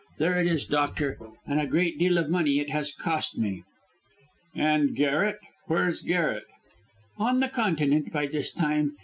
There it is, doctor; and a great deal of money it has cost me." "And Garret. Where is Garret?" "On the Continent by this time.